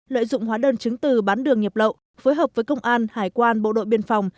lợi dụng hóa đơn chứng từ bán đường nhập lậu phối hợp với công an hải quan bộ đội biên phòng